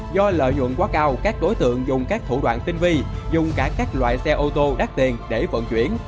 do lợi nhuận quá cao các đối tượng dùng các thủ đoạn tinh vi dùng cả các loại xe ô tô đắt tiền để vận chuyển